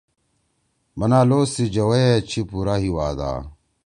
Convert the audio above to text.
بنا لوز سی جوَئی ئے چھی پُورا ہی وعدا